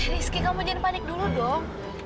rizky kamu jadi panik dulu dong